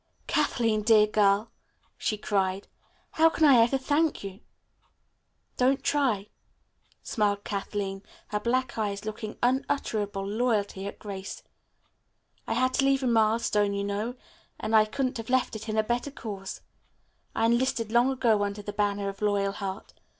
"Kathleen, dear girl," she cried. "How can I ever thank you?" "Don't try," smiled Kathleen, her black eyes looking unutterable loyalty at Grace. "I had to leave a milestone, you know, and I couldn't have left it in a better cause. I enlisted long ago under the banner of Loyalheart.